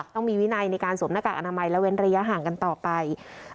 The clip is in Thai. ต้องมีวินัยในการสวมหน้ากากอนามัยและเว้นระยะห่างกันต่อไป